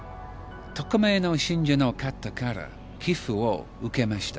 匿名の信者の方から寄付を受けました。